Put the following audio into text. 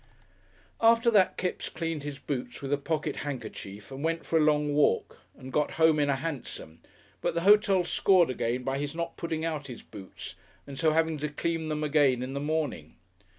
After that Kipps cleaned his boots with a pocket handkerchief and went for a long walk and got home in a hansom, but the hotel scored again by his not putting out his boots and so having to clean them again in the morning.